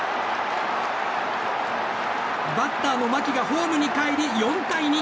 バッターの牧がホームにかえり４対２。